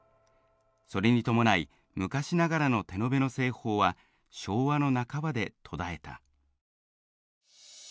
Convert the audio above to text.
それに伴い昔ながらの手延べの製法は昭和の半ばで途絶えた。